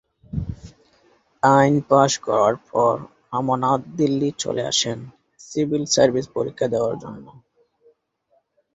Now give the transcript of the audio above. আইন পাশ করার পর রামনাথ দিল্লী চলে আসেন সিভিল সার্ভিস পরীক্ষা দেওয়ার জন্য।